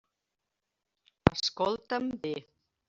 Escolta'm bé.